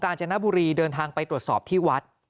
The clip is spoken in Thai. จนบุรีเดินทางไปตรวจสอบที่วัด